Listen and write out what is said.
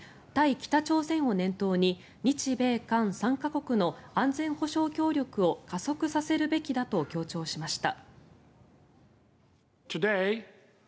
北朝鮮を念頭に日米韓３か国の安全保障協力を加速させるべきだと強調しました。